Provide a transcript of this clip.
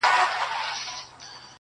د ځان له عبادت څخه مي ځان خلاصومه